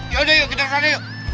yaudah yuk kita kesana yuk